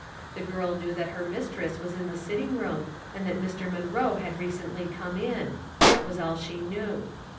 The girl knew that her mistress was in the sitting room, and that Mr. Munroe had recently come in — that was all she knew.